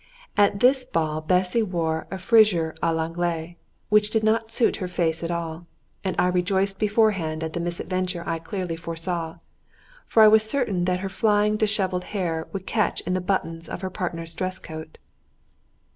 At this ball Bessy wore a frisure à l'Anglaise, which did not suit her face at all; and I rejoiced beforehand at the misadventure I clearly foresaw, for I was certain that her flying dishevelled hair would catch in the buttons of her partner's dress coat.